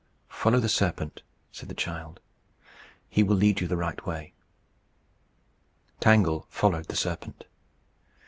"Follow that serpent," said the child. "He will lead you the right way." Tangle followed the serpent.